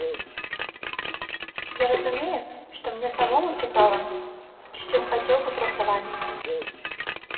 Я разумею, што мне самому цікава, з чым хацеў бы працаваць.